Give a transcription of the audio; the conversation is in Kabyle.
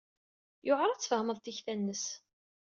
Yewɛeṛ ad tfehmeḍ tikta-nnes.